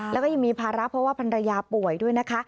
แล้วก็ยังมีภาระเพราะว่าพันรยาป่วยด้วยนะคะ